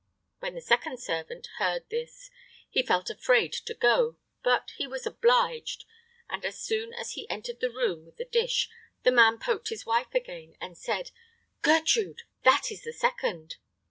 When the second servant heard this he felt afraid to go; but he was obliged, and as soon as he entered the room with the dish, the man poked his wife again, and said: "Gertrude, that is the second!"